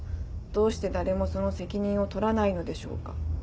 どうして誰もその責任を取らないのでしょうか」。